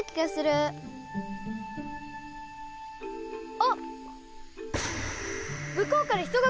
あっ！